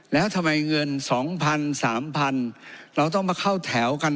แล้วทำไมเงิน๒๐๐๓๐๐เราต้องมาเข้าแถวกัน